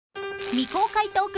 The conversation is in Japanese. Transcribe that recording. ［未公開トーク